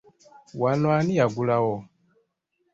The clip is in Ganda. Wano ani yagulawo?